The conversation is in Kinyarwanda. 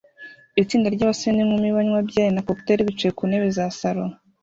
Itsinda ry'abasore n'inkumi banywa byeri na cocktail bicaye ku ntebe za salo